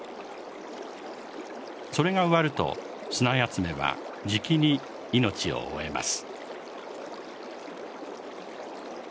それが終わるとスナヤツメはじきに命を終えます。